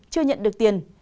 chưa nhận được tiền